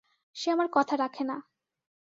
সে আমার কথা রাখে না।